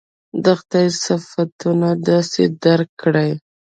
د خدای صفتونه داسې درک کړي.